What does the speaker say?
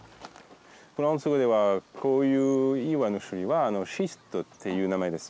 フランス語ではこういう岩の種類はシストっていう名前です。